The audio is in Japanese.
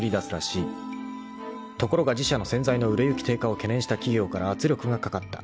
［ところが自社の洗剤の売れ行き低下を懸念した企業から圧力がかかった］